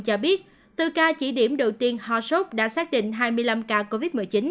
cho biết từ ca chỉ điểm đầu tiên ho sốt đã xác định hai mươi năm ca covid một mươi chín